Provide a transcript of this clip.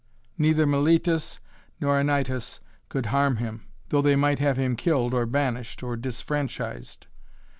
Neither Meletus nor Anytus could harm him, though they might have him killed or banished, or disfranchised.